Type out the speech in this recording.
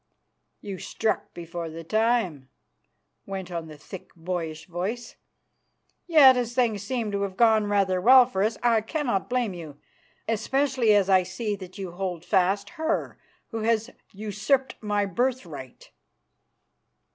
"You struck before the time," went on the thick, boyish voice. "Yet as things seem to have gone rather well for us, I cannot blame you, especially as I see that you hold fast her who has usurped my birthright."